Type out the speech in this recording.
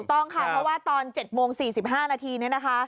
ต้องค่ะเพราะว่าตอน๗โมง๔๕นาทีเนี่ยนะคะ